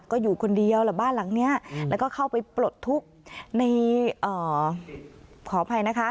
ก็อยู่คนเดียวแหละบ้านหลังนี้แล้วก็เข้าไปปลดทุกข์ในขออภัยนะคะ